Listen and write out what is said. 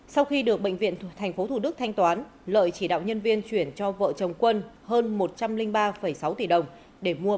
sau khi được bệnh viện thành phố thủ đức thanh toán lợi chỉ đạo nhân viên chuyển cho vợ chồng quân hơn một trăm linh ba sáu tỷ đồng để mua bất động sản và ô tô